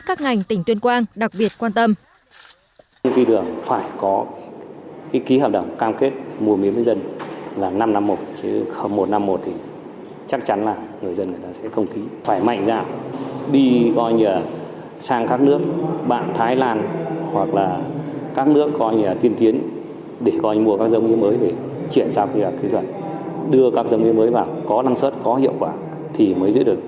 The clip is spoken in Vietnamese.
các ngành tỉnh tuyên quang đặc biệt quan tâm